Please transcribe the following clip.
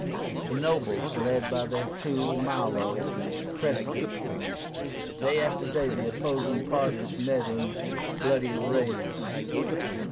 The nobles, led by their tool Milo, pressed it. Day after day the opposing parties met in bloody affrays.